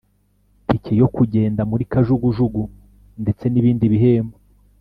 tike yo kugenda muri kajugujugu ndetse n’Ibindi bihembo